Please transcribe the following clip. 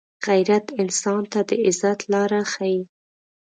غیرت انسان ته د عزت لاره ښيي